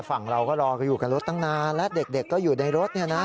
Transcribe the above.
ฝั่งเราก็รอกันอยู่กับรถตั้งนานและเด็กก็อยู่ในรถเนี่ยนะ